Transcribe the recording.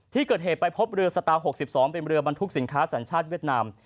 ที่เกิดเหตุไปพบเรือสตาร์๖๒เป็นเรือบรรทุกสินค้าสัญชาติเวียดนาม